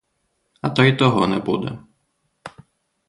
А то й того не буде.